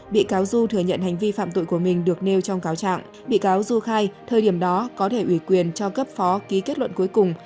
bị cáo du khai thời điểm đó có thể ủy quyền cho cấp phó ký kết luận cuối cùng